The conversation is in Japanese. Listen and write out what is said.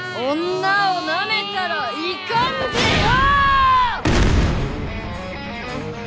女をなめたらいかんぜよ！